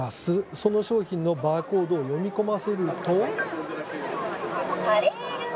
その商品のバーコードを読み込ませると。